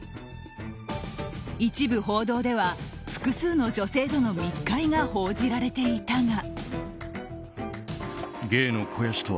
一部報道では、複数の女性との密会が報じられていたが。